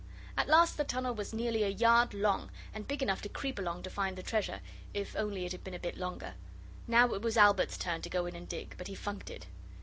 At last the tunnel was nearly a yard long, and big enough to creep along to find the treasure, if only it had been a bit longer. Now it was Albert's turn to go in and dig, but he funked it.